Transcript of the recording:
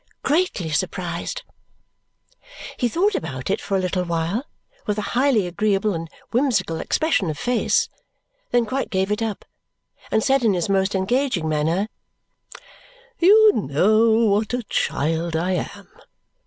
"Greatly surprised." He thought about it for a little while with a highly agreeable and whimsical expression of face, then quite gave it up and said in his most engaging manner, "You know what a child I am.